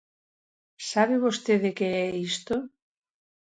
¿Sabe vostede que é isto?